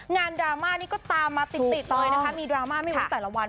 ดราม่านี้ก็ตามมาติดเลยนะคะมีดราม่าไม่เว้นแต่ละวัน